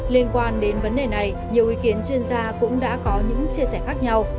liên quan đến vấn đề này nhiều ý kiến chuyên gia cũng đã có những chia sẻ khác nhau